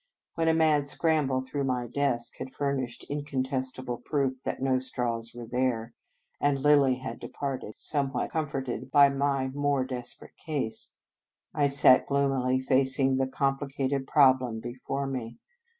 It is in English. When a mad scramble through my desk had furnished incontestable proof that no straws were there, and Lilly had departed, somewhat com forted by my more desperate case, I sat gloomily facing the complicated problem before me.